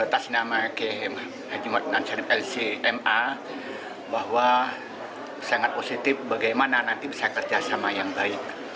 tas nama g m haji m nansarif lcma bahwa sangat positif bagaimana nanti bisa kerjasama yang baik